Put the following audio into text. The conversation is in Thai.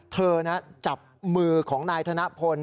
เธอจับมือของนายธนพล